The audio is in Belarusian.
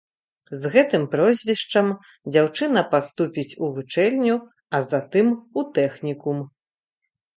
З гэтым прозвішчам дзяўчына паступіць у вучэльню, затым у тэхнікум.